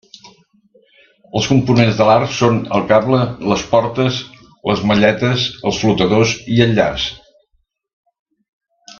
Els components de l'art són el cable, les portes, les malletes, els flotadors i el llast.